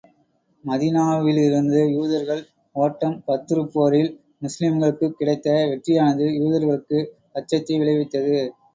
மதீனாவிலிருந்து யூதர்கள் ஓட்டம் பத்ருப் போரில் முஸ்லிம்களுக்குக் கிடைத்த வெற்றியானது யூதர்களுக்கு அச்சத்தை விளைவித்தது.